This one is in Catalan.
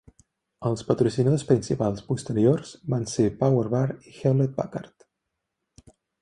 Els patrocinadors principals posteriors van ser PowerBar i Hewlett-Packard.